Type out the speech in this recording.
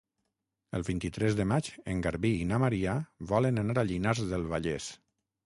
El vint-i-tres de maig en Garbí i na Maria volen anar a Llinars del Vallès.